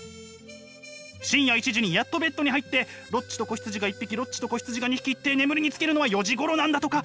深夜１時にやっとベッドに入ってロッチと子羊が１匹ロッチと子羊が２匹って眠りにつけるのは４時頃なんだとか。